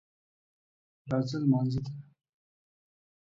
راځه لمانځه ته